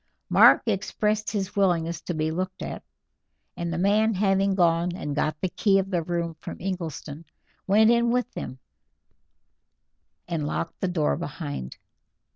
Mark expressed his willingness to be looked at, and the man having gone and got the key of the room from Ingleston, went in with them and locked the door behind.